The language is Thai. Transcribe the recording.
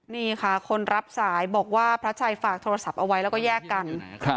นี่ค่ะคนรับสายบอกว่าพระชัยฝากโทรศัพท์เอาไว้แล้วก็แยกกัน